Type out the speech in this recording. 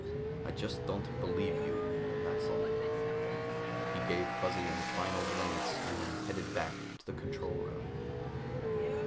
"I just don't believe you, that's all." He gave Fuzzy a final glance, and then headed back to the control room.